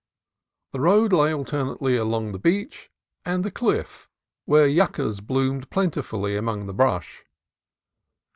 The road lay alternately along the beach and the cliff, where yuccas bloomed plentifully among the brush.